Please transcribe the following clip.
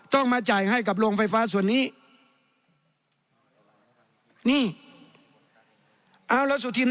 ต้องมาจ่ายให้กับโรงไฟฟ้าส่วนนี้นี่เอาแล้วสุธิน